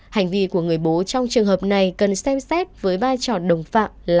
hành vi của người bố trong trường hợp này cần xem xét với vai trò đồng phạm là